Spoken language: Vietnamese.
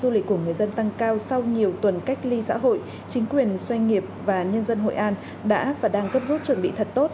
du lịch của người dân tăng cao sau nhiều tuần cách ly xã hội chính quyền doanh nghiệp và nhân dân hội an đã và đang cấp rút chuẩn bị thật tốt